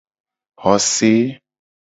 Xose.